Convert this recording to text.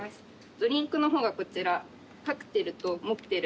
ドリンクの方がこちらカクテルとモクテル。